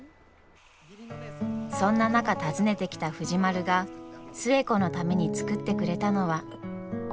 そんな中訪ねてきた藤丸が寿恵子のために作ってくれたのは。